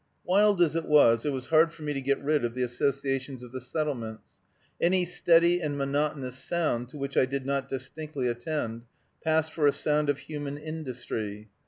Wild as it was, it was hard for me to get rid of the associations of the settlements. Any steady and monotonous sound, to which I did not distinctly attend, passed for a sound of human industry.